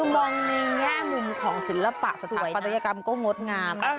มองในแง่มุมของศิลปะสถาปัตยกรรมก็งดงาม